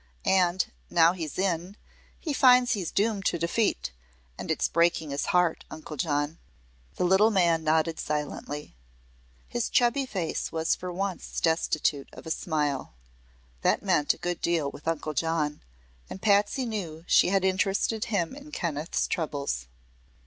And, now he's in, he finds he's doomed to defeat; and it's breaking his heart, Uncle John." The little man nodded silently. His chubby face was for once destitute of a smile. That meant a good deal with Uncle John, and Patsy knew she had interested him in Kenneth's troubles.